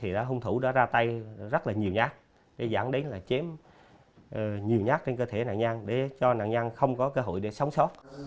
thì đã hung thủ đã ra tay rất là nhiều nhát để dẫn đến là chém nhiều nhát trên cơ thể nạn nhân để cho nạn nhân không có cơ hội để sống sót